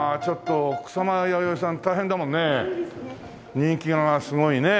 人気がすごいねえ。